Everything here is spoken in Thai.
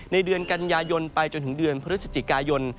เดือนกันยายนไปจนถึงเดือนพฤศจิกายน